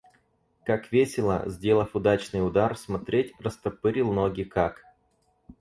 Как весело, сделав удачный удар, смотреть, растопырил ноги как.